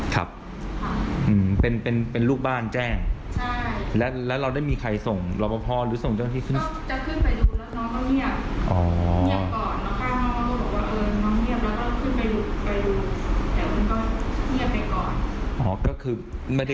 วันที่เขาแจ้งมาก็เลยลงดูว่าถ้าตีอะตีแบบไหน